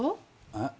えっ？